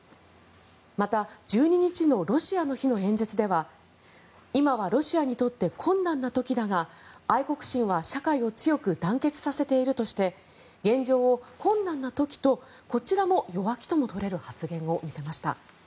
また、１２日のロシアの日の演説では今はロシアにとって困難な時だが愛国心は社会を強く団結させているとして現状を困難な時とこちらも弱気とも取れる発言を見せました。